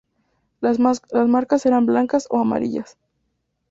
Las marcas serán blancas o amarillas.